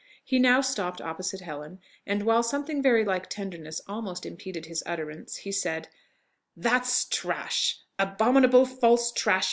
He now stopped opposite Helen; and while something very like tenderness almost impeded his utterance, he said, "That's trash abominable false trash!